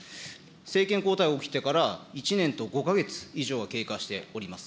政権交代が起きてから１年と５か月以上経過しております。